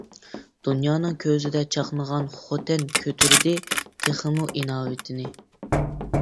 دۇنيانىڭ كۆزىدە چاقنىغان خوتەن، كۆتۈردى تېخىمۇ ئىناۋىتىنى.